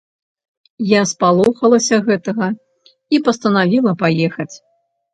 Я спалохалася гэтага і пастанавіла паехаць.